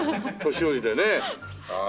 年寄りでね。